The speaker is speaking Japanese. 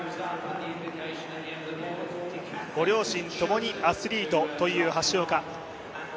ご両親ともにアスリートという橋岡。